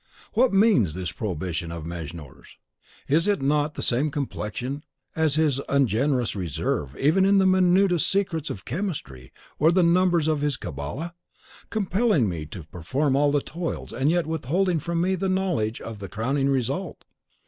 What means this prohibition of Mejnour's? Is it not of the same complexion as his ungenerous reserve even in the minutest secrets of chemistry, or the numbers of his Cabala? compelling me to perform all the toils, and yet withholding from me the knowledge of the crowning result?